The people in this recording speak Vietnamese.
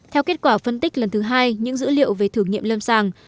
theo kết quả phân tích lần thứ hai những dữ liệu về thử nghiệm lâm sàng